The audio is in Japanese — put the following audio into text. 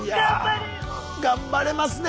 頑張れますね。